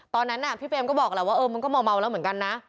ตอนนั้นพี่เปรมก็บอกแหละว่ามันก็เมาแล้วเหมือนกันนะ